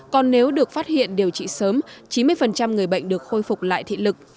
còn nếu được phát hiện điều trị sớm chín mươi người bệnh được khôi phục lại thị lực